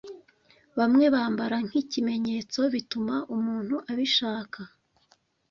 Bamwe bambara nkikimenyetso bituma umuntu abishaka